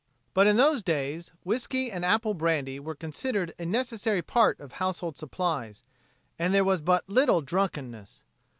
But in those days whisky and apple brandy were considered a necessary part of household supplies, and there was but little drunkenness.